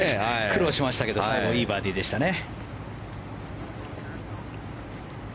苦労しましたけど最後、いいバーディーでしたね。